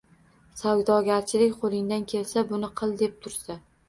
Savdogarchilik qo‘lingdan kelsa, buni qil deb tursa